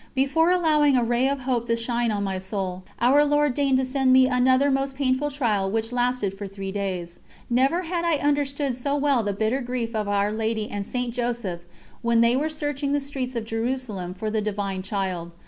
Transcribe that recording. Before allowing a ray of hope to shine on my soul, Our Lord deigned to send me another most painful trial which lasted for three days. Never had I understood so well the bitter grief of Our Lady and St. Joseph when they were searching the streets of Jerusalem for the Divine Child.